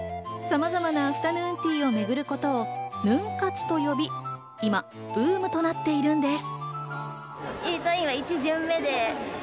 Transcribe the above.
さまざまなアフタヌーンティーを巡ることをヌン活と呼び、今ブームとなっているんです。